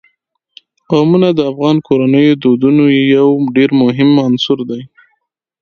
قومونه د افغان کورنیو د دودونو یو ډېر مهم عنصر دی.